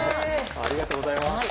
ありがとうございます。